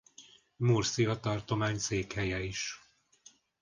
Murcia tartomány székhelye is.